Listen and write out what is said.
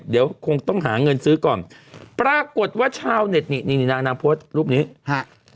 เดี๋ยวคงต้องหาเงินซื้อก่อนปรากฏว่าชาวเน็ตนี่นี่นางนางโพสต์รูปนี้ฮะ